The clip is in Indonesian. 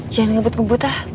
jangan ngebut ngebut ah